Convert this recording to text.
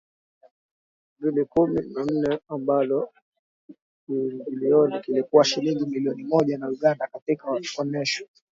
mbili kumi na nne ambalo kiingilioni kilikuwa shilingi milioni moja za Uganda Katika onesho